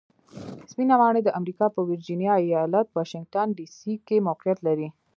سپینه ماڼۍ د امریکا په ویرجینیا ایالت واشنګټن ډي سي کې موقیعت لري.